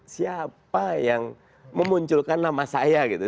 siapa yang memunculkan nama saya gitu